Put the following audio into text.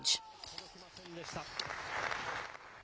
届きませんでした。